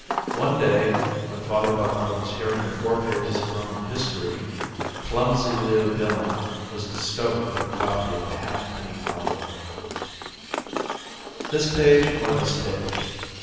One day when Father Butler was hearing the four pages of Roman History clumsy Leo Dillon was discovered with a copy of The Halfpenny Marvel. "This page or this page?